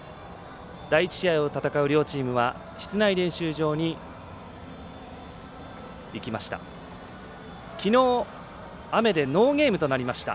第１試合を戦う両チームは室内練習場に行きました。